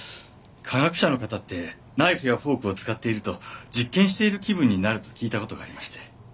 科学者の方ってナイフやフォークを使っていると実験している気分になると聞いた事がありまして。